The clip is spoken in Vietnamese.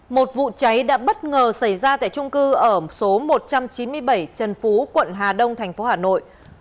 một vụ cháy đã bất ngờ xảy ra tại trung cư ở số một trăm chín mươi bảy trần phú quận hà đông thành phố hà nội